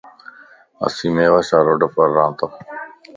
اسين ميوا شاه روڊ پار رھياتا.